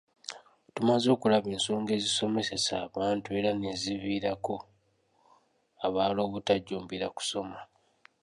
Tumaze okulaba ensonga ezisomesesa abantu era n'eziviirako abalala obutajjumbira kusoma.